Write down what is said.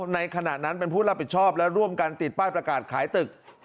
ในขณะนั้นเป็นผู้รับผิดชอบและร่วมกันติดป้ายประกาศขายตึก